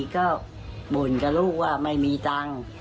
ก็บ่นกับลูกว่าไม่มีตังค์